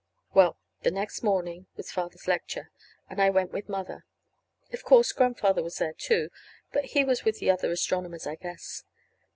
Well, the next morning was Father's lecture, and I went with Mother. Of course Grandfather was there, too, but he was with the other astronomers, I guess.